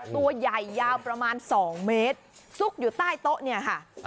ตัวใหญ่ยาวประมาณ๒เมตรซุกอยู่ใต้โต๊ะเนี่ยค่ะ